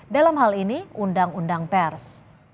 dalam hal ini undang undang pers